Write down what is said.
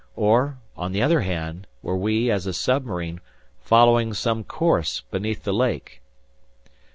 Or, on the other hand, were we, as a submarine, following some course beneath the lake?